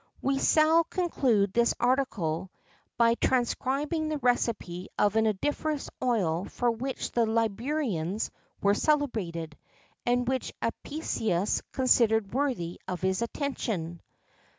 [XII 41] We sall conclude this article by transcribing the recipe of an odoriferous oil for which the Liburnians were celebrated, and which Apicius considered worthy of his attention.